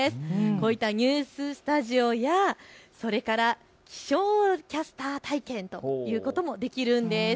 こういったニューススタジオやそれから、気象キャスター体験ということもできるんです。